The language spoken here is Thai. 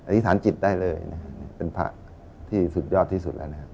อธิษฐานจิตได้เลยนะเป็นพระที่สุดยอดที่สุดแล้วนะครับ